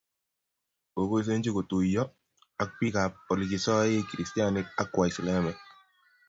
Koboisienyi kotuiyo ak bikap Ole kisoe kristianik ak waislamiek